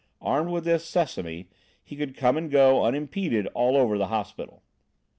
Armed with this "Sesame" he could come and go unimpeded all over the hospital.